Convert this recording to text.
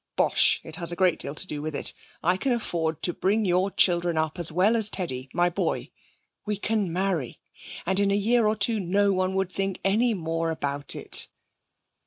'Bosh! It has a great deal to do with it. I can afford to bring your children up as well as Teddy, my boy. We can marry. And in a year or two no one would think any more about it.'